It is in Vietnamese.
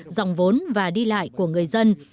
dòng vốn và đi lại của người dân